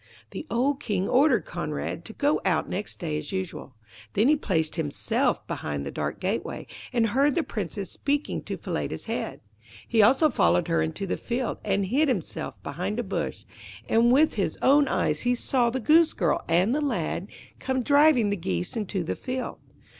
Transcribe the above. The old King ordered Conrad to go out next day as usual. Then he placed himself behind the dark gateway, and heard the Princess speaking to Falada's head. He also followed her into the field, and hid himself behind a bush, and with his own eyes he saw the Goosegirl and the lad come driving the geese into the field.